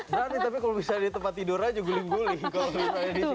berani tapi kalau misalnya di tempat tidur aja guling guling kalau misalnya disitu